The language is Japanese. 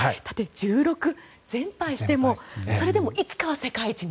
１６連敗してもそれでもいつかは世界一に。